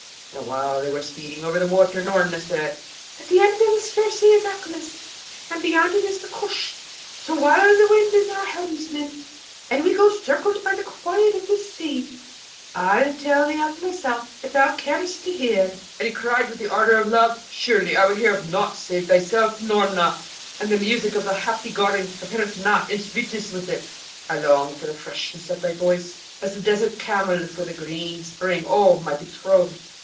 Now, while they were speeding over the water, Noorna said, 'The end of this fair sea is Aklis, and beyond it is the Koosh. So while the wind is our helmsman, and we go circled by the quiet of this sea, I'll tell thee of myself, if thou carest to hear.' And he cried with the ardour of love, 'Surely, I would hear of nought save thyself, Noorna, and the music of the happy garden compareth not in sweetness with it. I long for the freshness of thy voice, as the desert camel for the green spring, O my betrothed!'